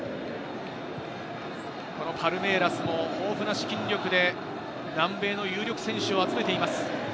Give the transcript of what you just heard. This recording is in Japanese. パルメイラスも豊富な資金力で南米の有力選手を集めています。